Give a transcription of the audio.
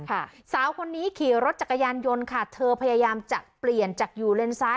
สาวคนนี้ขี่รถจักรยานยนต์ค่ะเธอพยายามจะเปลี่ยนจากอยู่เลนซ้าย